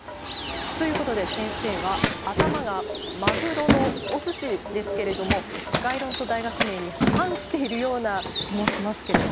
ということで先生は頭がマグロのお寿司ですけれども概論と大学名に反しているような気もしますけれども。